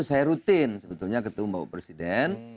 saya rutin sebetulnya ketua umum bapak presiden